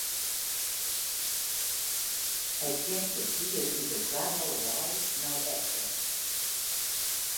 Hy kjimt it hier út de foarholle wei nei efteren ta.